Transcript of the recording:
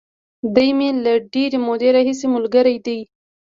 دی مې له ډېرې مودې راهیسې ملګری دی.